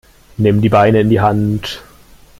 Nimm die Beine in die Hand.